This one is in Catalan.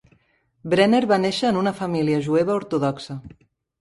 Brenner va néixer en una família jueva ortodoxa.